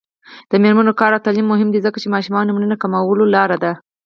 د میرمنو کار او تعلیم مهم دی ځکه چې ماشومانو مړینې کمولو لاره ده.